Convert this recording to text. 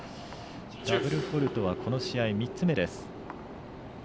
ダブルフォールトはこの試合３つ目です。